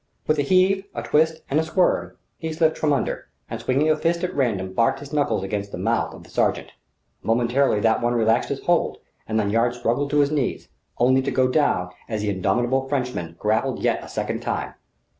With a heave, a twist and a squirm, he slipped from under, and swinging a fist at random barked his knuckles against the mouth of the sergent. Momentarily that one relaxed his hold, and Lanyard struggled to his knees, only to go down as the indomitable Frenchman grappled yet a second time.